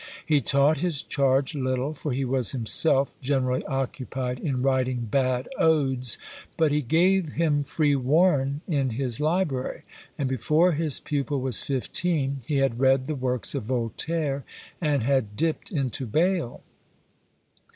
He taught his charge little, for he was himself generally occupied in writing bad odes, but he gave him free warren in his library, and before his pupil was fifteen, he had read the works of Voltaire and had dipped into Bayle.